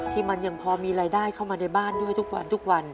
ที่มันยังพอมีรายได้เข้ามาในบ้านด้วยทุกวันทุกวัน